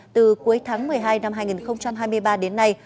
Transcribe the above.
từ cuối tháng một mươi hai năm hai nghìn hai mươi ba đến nay